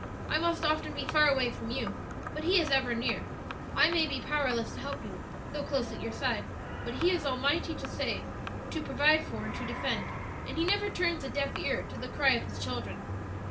I must often be far away from you, but He is ever near; I may be powerless to help you, though close at your side, but He is almighty to save, to provide for, and to defend; and He never turns a deaf ear to the cry of His children."